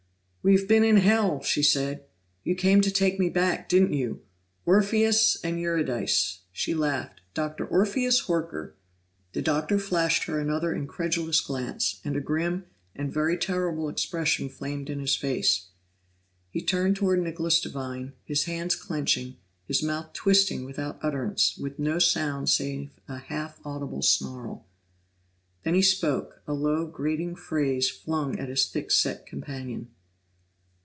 "We've been in Hell!" she said. "You came to take me back, didn't you? Orpheus and Eurydice!" She laughed. "Dr. Orpheus Horker!" The Doctor flashed her another incredulous glance and a grim and very terrible expression flamed in his face. He turned toward Nicholas Devine, his hands clenching, his mouth twisting without utterance, with no sound save a half audible snarl. Then he spoke, a low, grating phrase flung at his thick set companion.